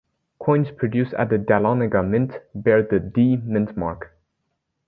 Coins produced at the Dahlonega Mint bear the "D" mint mark.